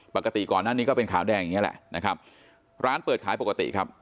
ปกติก่อนหน้านี้ก็เป็นขาวแดงอย่างเงี้แหละนะครับร้านเปิดขายปกติครับ